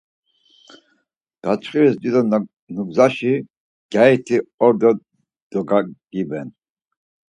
Daçxiris dido nugzaşi gyariti ordo dogagiben.